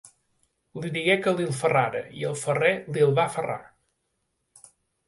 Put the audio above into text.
Li digué que li’l ferrara, i el ferrer li’l va ferrar.